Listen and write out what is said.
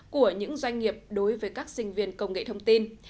của những doanh nghiệp đối với các sinh viên công nghệ thông tin